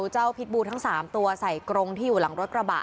พิษบูทั้ง๓ตัวใส่กรงที่อยู่หลังรถกระบะ